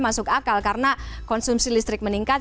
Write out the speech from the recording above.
masuk akal karena konsumsi listrik meningkat